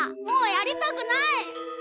もうやりたくない！